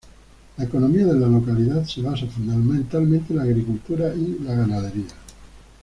La economía de la localidad se basa fundamentalmente en la agricultura y la ganadería.